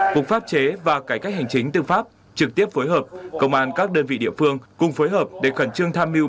phục pháp chế và cải cách hành chính tư pháp trực tiếp phối hợp công an các đơn vị địa phương cùng phối hợp để khẩn trương tham mưu